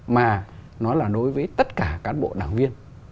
mà nó là đối với tất cả cán bộ đảng viên